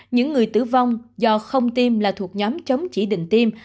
những người tử vong do không tiêm là thuộc nhóm chống chỉ định tiêm